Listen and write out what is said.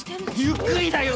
ゆっくりだよ！